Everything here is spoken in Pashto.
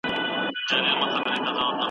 ما د کابل په هوا کې ساه واخیسته.